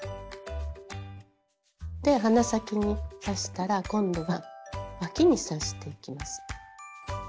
で鼻先に出したら今度はわきに刺していきます。